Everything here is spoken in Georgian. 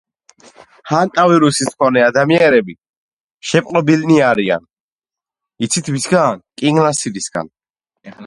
ბერძნები სხვადასხვა დიალექტზე ლაპარაკობდნენ და წერდნენ, თუმცა ერთმანეთის კარგად ესმოდათ.